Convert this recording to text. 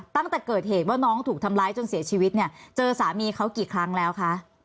ตั้งแต่เกิดเหตุว่าน้องถูกทำร้ายจนเสียชีวิตเนี่ยเจอสามีเขากี่ครั้งแล้วคะ